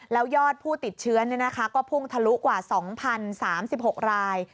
แล้วยอดผู้ติดเชื้อก็พุ่งทะลุกว่า๒๐๓๖ราย